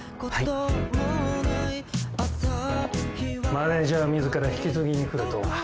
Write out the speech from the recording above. マネジャー自ら引き継ぎに来るとは。